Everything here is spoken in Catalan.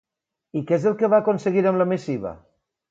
I què és el que va aconseguir amb la missiva?